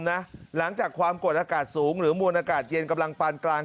หลังจากความกดอากาศสูงหรือมวลอากาศเย็นกำลังปานกลาง